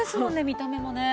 見た目もね。